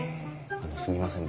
あのすみません